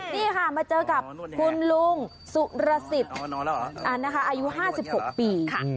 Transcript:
นี่ค่ะมาเจอกับคุณลุงสุรสิตอายุ๕๖ปี